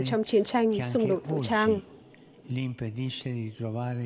trong chiến tranh xung đột vũ trang